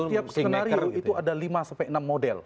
setiap skenario itu ada lima sampai enam model